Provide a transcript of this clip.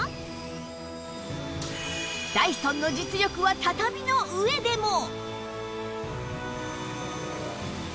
ダイソンの実力は畳の上でも